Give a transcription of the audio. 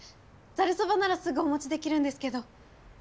ざるそばならすぐお持ちできるんですけど。